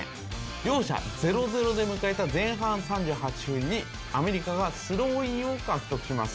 両者０−０で迎えた前半３８分にアメリカがスローインを獲得します。